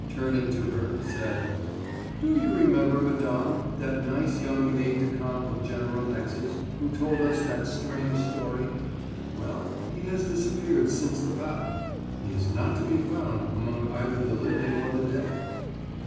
turning to her, said: "Do you remember, madame, that nice young aide de camp of General X.'s who told us that strange story? Well, he has disappeared since the battle. He is not to be found among either the living or the dead."